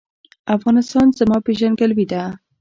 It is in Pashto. افغانستان زما پیژندګلوي ده